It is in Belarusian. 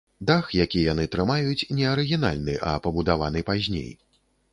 Дах, які яны трымаюць, не арыгінальны, а пабудаваны пазней.